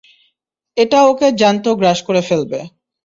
এটা ওকে জ্যান্ত গ্রাস করে ফেলবে।